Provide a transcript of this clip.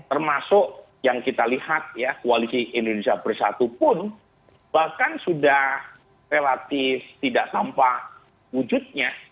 termasuk yang kita lihat ya koalisi indonesia bersatu pun bahkan sudah relatif tidak tampak wujudnya